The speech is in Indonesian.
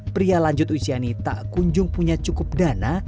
pria lanjut usia ini tak kunjung punya cukup dana